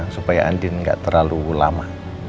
supaya andin tidak terlalu lama